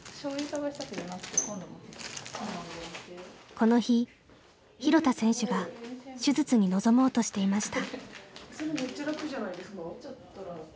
この日廣田選手が手術に臨もうとしていました。